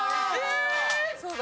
そうだ。